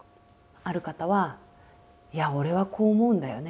ある方は「いや俺はこう思うんだよね」